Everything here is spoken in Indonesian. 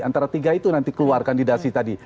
antara tiga itu nanti keluar kandidasi tadi